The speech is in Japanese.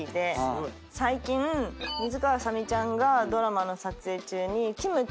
最近水川あさみちゃんがドラマの撮影中に。